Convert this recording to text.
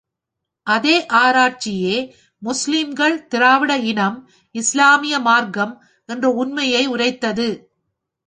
அதே ஆராய்ச்சியே, முஸ்லிம்கள் திராவிட இனம், இஸ்லாமிய மார்க்கம் என்ற உண்மையை உரைத்தது.